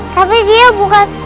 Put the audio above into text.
tapi dia bukan